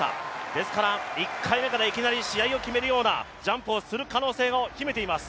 ですから１回目からいきなり試合を決めるようなジャンプをする可能性を秘めています。